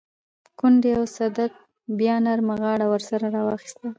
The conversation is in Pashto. کونډې او صدک بيا نرمه غاړه ورسره راواخيسته.